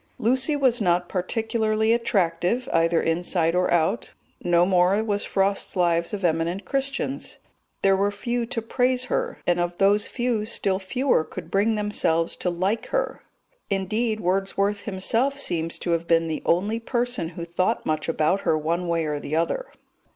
Lucy was not particularly attractive either inside or out no more was Frost's Lives of Eminent Christians; there were few to praise her, and of those few still fewer could bring themselves to like her; indeed, Wordsworth himself seems to have been the only person who thought much about her one way or the other.